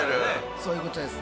そういうことです。